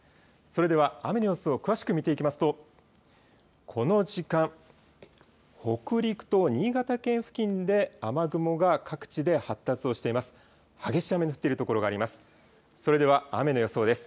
それでは雨の様子を詳しく見ていきますと、この時間、北陸と新潟県付近で雨雲が各地で発達をしています。